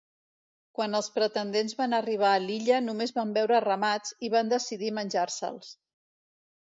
Quan els pretendents van arribar a l'illa només van veure ramats, i van decidir menjar-se'ls.